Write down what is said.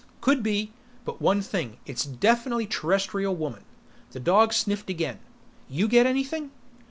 "Could be. But one thing: It is definitely Terrestrial woman." The dog sniffed again. "You get anything?"